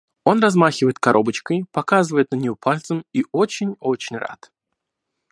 Он размахивает коробочкой, показывает на неё пальцем и очень очень рад.